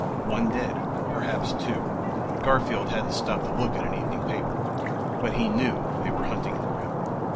One dead. Perhaps two. Garfield hadn't stopped to look at an evening paper. But he knew they were hunting for him.